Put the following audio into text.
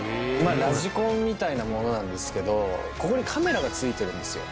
ラジコンみたいなものなんですけどここにカメラが付いてるんですよ。